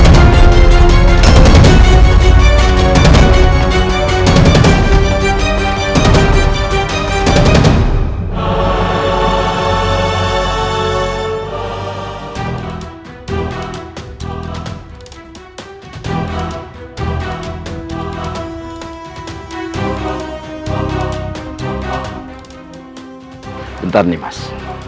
sebentar nih mas